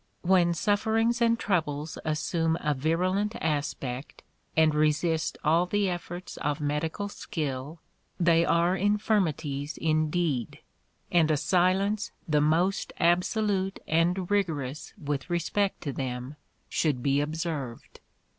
When sufferings and troubles assume a virulent aspect, and resist all the efforts of medical skill, they are infirmities indeed, and a silence the most absolute and rigorous with respect to them, should be observed.